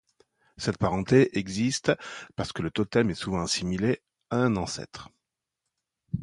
Cette parenté existe parce que le totem est souvent assimilé à un ancêtre.